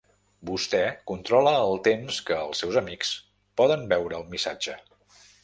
Vostè controla el temps que els seus amics poden veure el missatge.